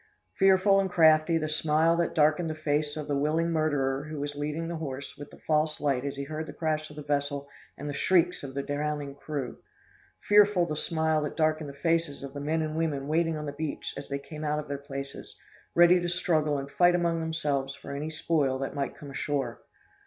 Fearful and crafty the smile that darkened the face of the willing murderer who was leading the horse with the false light as he heard the crash of the vessel and the shrieks of the drowning crew! Fearful the smile that darkened the faces of the men and women waiting on the beach as they came out from their places, ready to struggle and fight among themselves for any spoil that might come ashore!